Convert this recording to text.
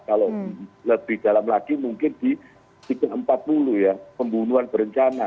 kalau lebih dalam lagi mungkin di tiga ratus empat puluh ya pembunuhan berencana